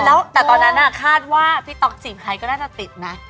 แล้วแต่ตอนนั้นคาดว่าพี่ต๊อกสิ่งไฮก็น่าจะติดนะ